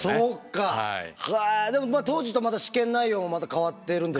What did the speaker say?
でも当時とまた試験内容も変わってるんでしょうね。